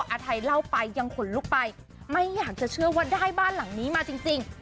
อาทัยเล่าไปยังขนลุกไปไม่อยากจะเชื่อว่าได้บ้านหลังนี้มาจริง